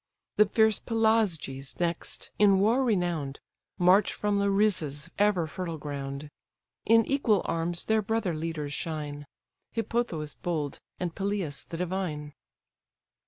The fierce Pelasgi next, in war renown'd, March from Larissa's ever fertile ground: In equal arms their brother leaders shine, Hippothous bold, and Pyleus the divine.